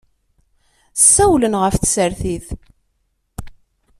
Ssawlen ɣef tsertit.